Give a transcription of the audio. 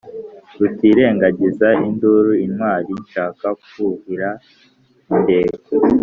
Rutirengagiza induru, intwali nshaka kwuhira indekwe.